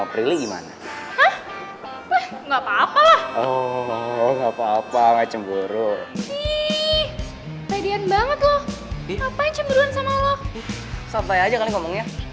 apa yang cenderung sama lo